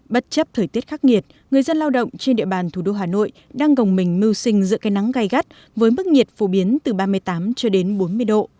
bất chấp thời tiết khắc nghiệt người dân lao động trên địa bàn thủ đô hà nội đang gồng mình mưu sinh giữa cây nắng gai gắt với mức nhiệt phổ biến từ ba mươi tám cho đến bốn mươi độ